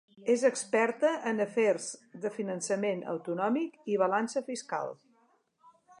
És experta en afers de finançament autonòmic i balança fiscal.